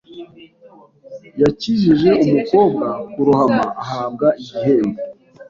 Yakijije umukobwa kurohama ahabwa igihembo.